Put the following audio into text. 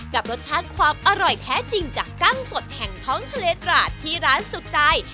กับรสชาติความอร่อยแท้จริงจากกั้งสดแห่งท้องทะเลตราดที่ร้านสุดใจ